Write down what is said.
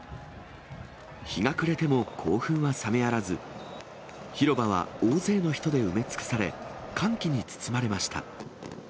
日が暮れても興奮は冷めやらず、広場は大勢の人で埋め尽くされ、歓喜に包まれました。